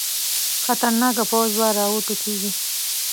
خطرناکه پوځ به راوټوکېږي.